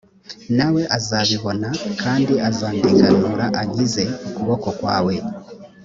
nawe azabibona kandi azandenganura ankize ukuboko kwawe